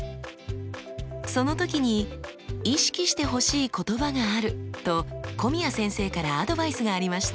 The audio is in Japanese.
その時に意識してほしい言葉があると古宮先生からアドバイスがありました。